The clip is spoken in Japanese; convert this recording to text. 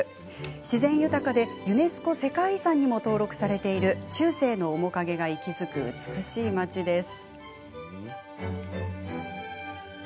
自然豊かでユネスコ世界遺産にも登録されている中世の面影が息づく美しい街です。